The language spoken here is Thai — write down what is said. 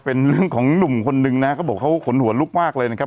เป็นเรื่องของหนุ่มคนนึงนะเขาบอกเขาขนหัวลุกมากเลยนะครับ